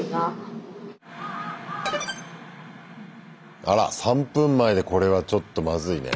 あら３分前でこれはちょっとまずいねぇ。